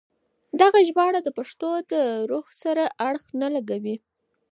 دغه ژباړه د پښتو له روح سره اړخ نه لګوي.